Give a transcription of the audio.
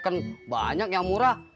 teken banyak yang murah